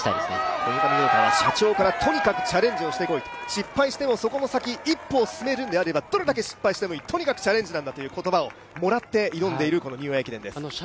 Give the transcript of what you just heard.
コニカミノルタは社長からとにかくチャレンジをしてこいと失敗してもそこの先、一歩を進めるのであればどれだけ失敗してもいい、とにかくチャレンジなんだという言葉をもらって挑んでいるニューイヤー駅伝です。